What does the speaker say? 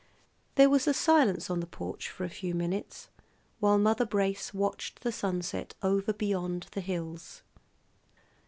There was silence on the porch for a few minutes while Mother Brace watched the sunset over beyond the hills.